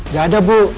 gak ada bu